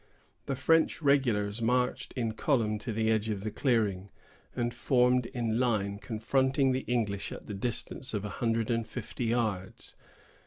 The French regulars marched in column to the edge of the clearing, and formed in line, confronting the English at the distance of a hundred and fifty yards.